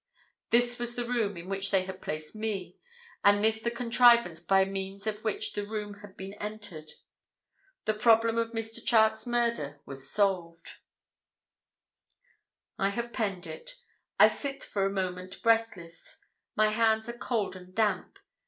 This was the room in which they had placed me, and this the contrivance by means of which the room had been entered. The problem of Mr. Charke's murder was solved. I have penned it. I sit for a moment breathless. My hands are cold and damp.